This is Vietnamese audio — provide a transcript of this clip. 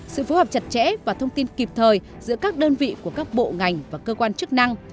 sự phối hợp chặt chẽ và thông tin kịp thời giữa các đơn vị của các bộ ngành và cơ quan chức năng